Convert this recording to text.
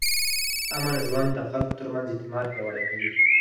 امن ژوند د خلکو ترمنځ اعتماد پیاوړی کوي.